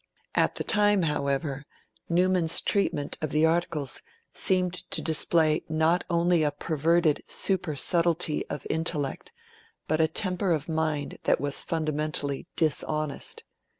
At the time, however, Newman's treatment of the Articles seemed to display not only a perverted supersubtlety of intellect, but a temper of mind that was fundamentally dishonest.